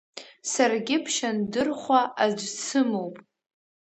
Саргьы Ԥшьандырхәа аӡә дсымоуп…